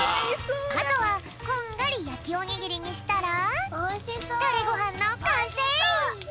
あとはこんがりやきおにぎりにしたらタレごはんのかんせい！